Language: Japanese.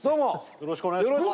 よろしくお願いします。